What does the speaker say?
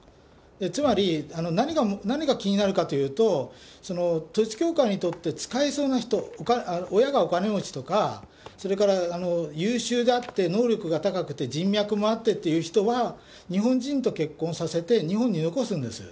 つまり何が気になるかというと、統一教会にとって使えそうな人、親がお金持ちとか、それから優秀であって、能力が高くて人脈もあってという人は、日本人と結婚させて、日本によこすんです。